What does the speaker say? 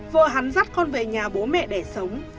vợ hắn dắt con về nhà bố mẹ để sống